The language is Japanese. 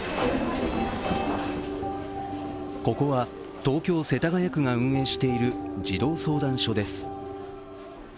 ここは、東京・世田谷区が運営している児童相談所です。